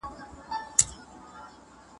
بدلون ته چمتو اوسېدل مهم دي.